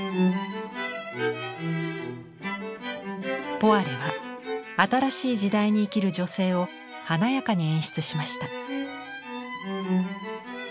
ポワレは新しい時代に生きる女性を華やかに演出しました。